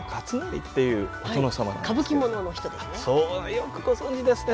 よくご存じですね